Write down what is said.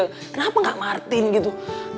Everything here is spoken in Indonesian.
kenapa gak martin gitu